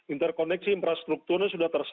interkoneksi infrastrukturnya sudah terbangun